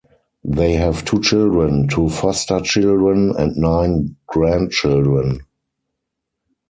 They have two children, two foster children, and nine grandchildren.